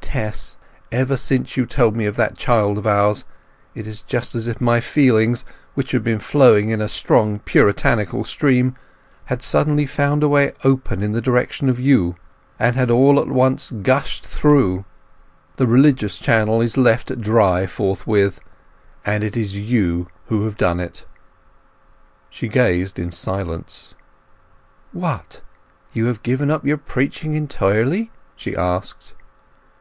Tess, ever since you told me of that child of ours, it is just as if my feelings, which have been flowing in a strong puritanical stream, had suddenly found a way open in the direction of you, and had all at once gushed through. The religious channel is left dry forthwith; and it is you who have done it!" She gazed in silence. "What—you have given up your preaching entirely?" she asked.